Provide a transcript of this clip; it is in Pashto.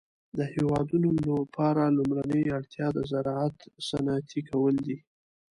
د هيوادونو لپاره لومړنۍ اړتيا د زراعت صنعتي کول دي.